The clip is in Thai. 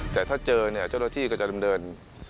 แต่ถ้าเจอเนี่ยเจ้าหน้าที่ก็จะดำเนิน